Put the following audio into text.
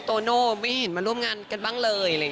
โตโน่ไม่ได้เห็นมาร่วมงานกันบ้างเลย